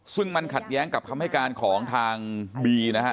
ซึ่งมันขัดแย้งกับคำให้การของทางบีนะฮะ